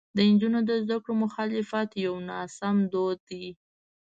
د نجونو د زده کړو مخالفت یو ناسمو دود دی.